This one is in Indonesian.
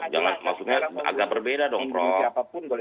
jangan maksudnya agak berbeda dong prof